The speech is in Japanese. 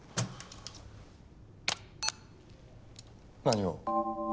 何を？